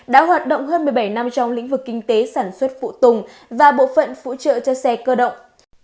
đã hoạt động hơn một mươi bảy năm trong lĩnh vực kinh tế sản xuất phụ tùng và bộ phận phụ trợ cho xe cơ động